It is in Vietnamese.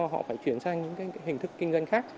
họ phải chuyển sang những hình thức kinh doanh khác